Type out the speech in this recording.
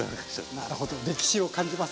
なるほど歴史を感じます。